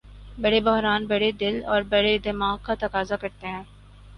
بڑے بحران بڑے دل اور بڑے دماغ کا تقاضا کرتے ہیں۔